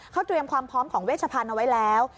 เขาเตรียมความพร้อมของเวชพันธุ์เอาไว้แล้ว